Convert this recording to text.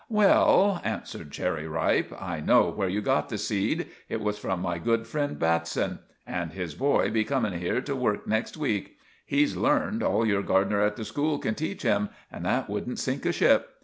"Well," answered Cherry Ripe, "I know where you got the seed. It was from my good friend, Batson. And his boy be coming here to work next week. He's learned all your gardener at the school can teach him, and that wouldn't sink a ship.